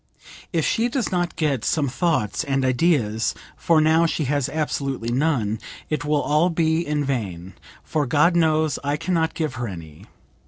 "If she does not get some thoughts and ideas (for now she has absolutely none), it will all be in vain, for God knows, I can not give her any.